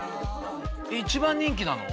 一番人気なの？